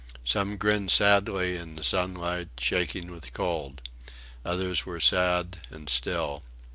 Some grinned sadly in the sunlight, shaking with cold. Others were sad and still.